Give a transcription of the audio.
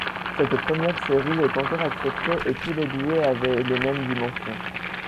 Cette première série est encore acceptée et tous les billets avaient les mêmes dimensions.